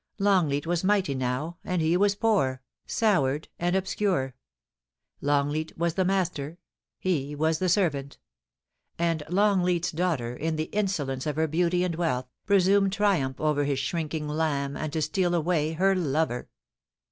Longleat was mighty now, and he was poor, soured and 1 .*■ 3o6 POLICY AND PASSION. obscure ; Longleat was the master — ^he was the servant ; and Longleat's daughter, in the insolence of her beauty and wealth, presumed to triumph over his shrinking lamb, and to steal away her lover.